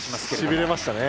しびれましたね。